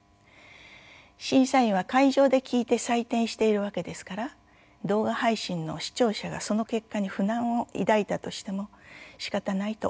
審査員は会場で聴いて採点しているわけですから動画配信の視聴者がその結果に不満を抱いたとしてもしかたないと思いました。